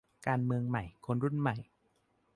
การเมืองใหม่คนรุ่นใหม่